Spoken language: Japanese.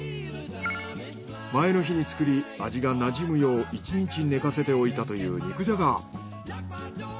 前の日に作り味がなじむよう１日寝かせておいたという肉じゃが。